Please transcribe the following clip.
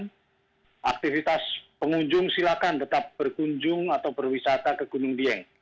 jadi kalau ada yang tidak bisa diperbolehkan aktivitas pengunjung silakan tetap berkunjung atau berwisata ke gunung dieng